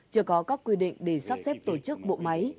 chưa làm rõ quy định để sắp xếp tổ chức bộ máy